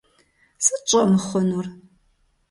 Сыт щӀэмыхъунур?